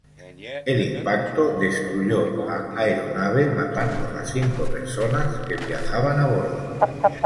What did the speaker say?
El impacto destruyó la aeronave matando a las cinco personas que viajaban a bordo.